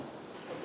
thì mất cái làng đó